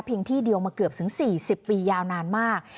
ที่เดียวมาเกือบถึง๔๐ปียาวนานมาก